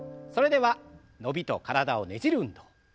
それでは伸びと体をねじる運動。